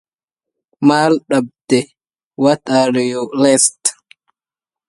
فَلَوْ قَدَّمَهُ لَمْ يَصِحَّ